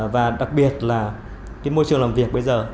và đặc biệt là môi trường làm việc bây giờ